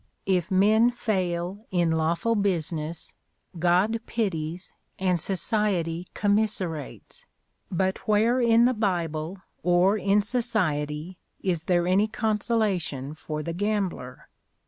If men fail in lawful business, God pities, and society commiserates; but where in the Bible, or in society, is there any consolation for the gambler?